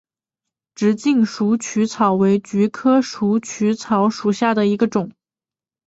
直茎鼠曲草为菊科鼠曲草属下的一个种。